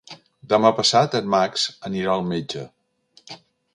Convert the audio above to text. Demà passat en Max anirà al metge.